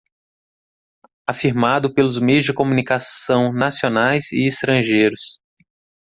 Afirmado pelos meios de comunicação nacionais e estrangeiros